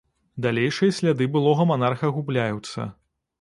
Далейшыя сляды былога манарха губляюцца.